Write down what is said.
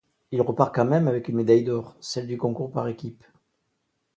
Il repart quand même avec une médaille d'or, celle du concours par équipe.